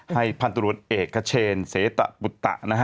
ให้พลตรวจเอกเชนเสตบุตร